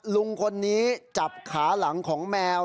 ลุงคนนี้จับขาหลังของแมว